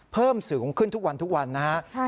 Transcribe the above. เพิ่มสูงขึ้นทุกวันทุกวันนะครับ